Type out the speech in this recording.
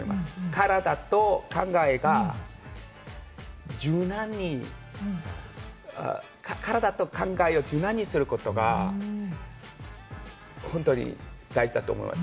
体と考えが柔軟に、体と考えを柔軟にすることが本当に大事だと思います。